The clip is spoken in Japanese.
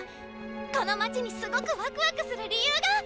この街にすごくワクワクする理由が！